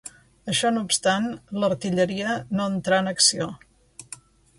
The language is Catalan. Això no obstant, l'artilleria no entrà en acció